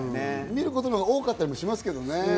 見ることのほうが多かったりもしますけどね。